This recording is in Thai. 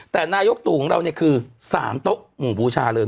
แต่นายกตู่ของเราเนี่ยคือ๓โต๊ะหมู่บูชาเลย